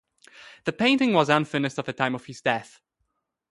The painting was unfinished at the time of his death.